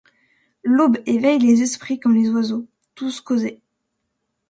L’aube éveille les esprits comme les oiseaux ; tous causaient.